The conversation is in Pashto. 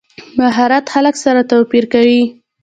مهارت خلک سره توپیر کوي.